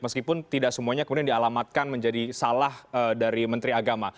meskipun tidak semuanya kemudian dialamatkan menjadi salah dari menteri agama